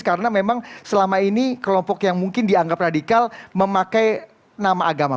karena memang selama ini kelompok yang mungkin dianggap radikal memakai nama agama